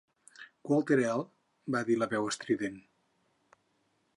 "Walter ell!" va dir la veu estrident.